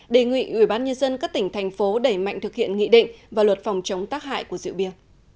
đề nghị uban nhân dân các tỉnh thành phố đẩy mạnh thực hiện nghị định và luật phòng chống tác hại của rượu bia